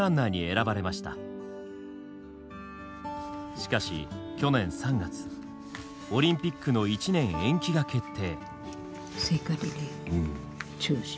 しかし去年３月オリンピックの１年延期が決定。